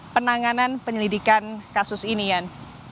penanganan penyelidikan kasus ini yan